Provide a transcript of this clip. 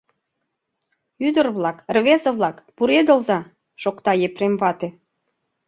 — Ӱдыр-влак, рвезе-влак, пуредылза, — шокта Епрем вате.